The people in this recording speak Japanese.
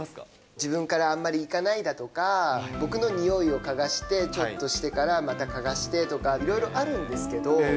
自分からあんまりいかないだとか、僕のにおいを嗅がせて、ちょっとしてからまた嗅がしてとかいろいろあるんですけど。